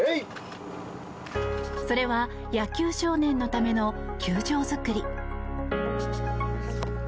それは野球少年のための球場作り。